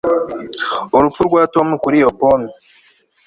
urupfu rwa tom kuri iyo pome